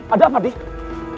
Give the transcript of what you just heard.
ada apa den